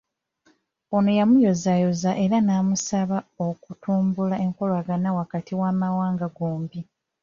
Ono yamuyozaayoza era n'amusaba okutumbula enkolagana wakati w'amawanga gombi.